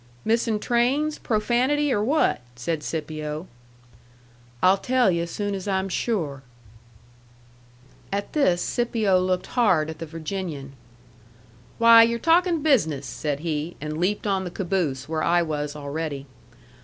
"Missin' trains, profanity, or what?" said Scipio. "I'll tell yu' soon as I'm sure." At this Scipio looked hard at the Virginian. "Why, you're talkin' business!" said he, and leaped on the caboose, where I was already.